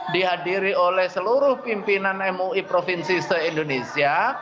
dihadiri oleh seluruh pimpinan mui provinsi se indonesia